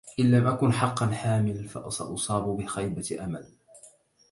إن لم أكن حقا حامل، فسأصاب بخيبة كبيرة.